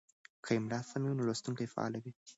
که املا سمه وي نو لوستونکی فعاله وي.